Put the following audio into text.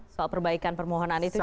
soal perbaikan permohonan itu